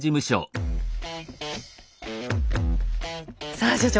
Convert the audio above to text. さあ所長